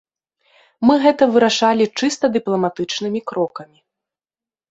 Мы гэта вырашалі чыста дыпламатычнымі крокамі.